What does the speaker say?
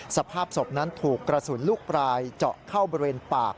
สภาพศพนั้นถูกกระสุนลูกปลายเจาะเข้าบริเวณปาก